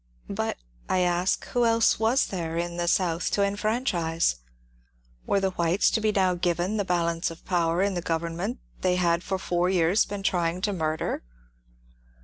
But, I asked, who else was there Jn the South to enfranchise ? Were the whites to be now given the balance of power in the government they had for four years been trying to murder